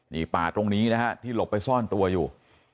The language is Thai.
นี่ป่าตรงนี้นะฮะที่หลบไปซ่อนตัวอยู่